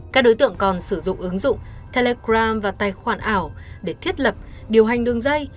các đối tượng còn sử dụng ứng dụng telegram và tài khoản ảo để thiết lập điều hành đường dây